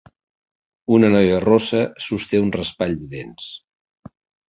Una noia rossa sosté un raspall de dents.